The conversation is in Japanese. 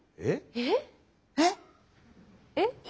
えっ？えっ。